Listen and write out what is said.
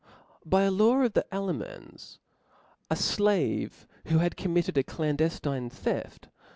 By a law of the Alemans, a flave who had com OLawof mitted a clandeftine theft